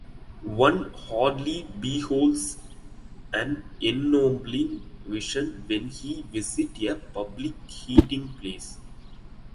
One hardly beholds an ennobling vision when he visits a public eating-place.